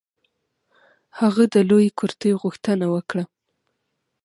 هغه د لویې کرتۍ غوښتنه وکړه.